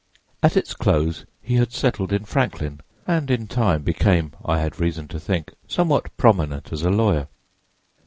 At its close he had settled in Franklin, and in time became, I had reason to think, somewhat prominent as a lawyer.